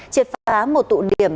triệt phá một tụ điểm